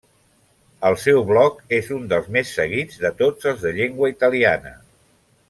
El seu bloc és un dels més seguits de tots els de llengua italiana.